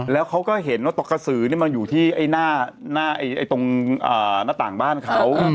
แล้วเขาก็เห็นว่าตกกระสือนี่มันอยู่ที่หน้าตรงหน้าต่างบ้านเขา